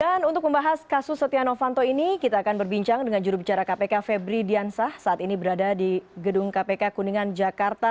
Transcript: dan untuk membahas kasus setia novanto ini kita akan berbincang dengan jurubicara kpk febri diansah saat ini berada di gedung kpk kuningan jakarta